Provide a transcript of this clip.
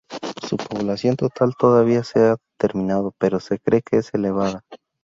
Su población total todavía no se ha determinado, pero se cree que es elevada.